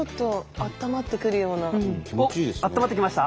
あったまってきました？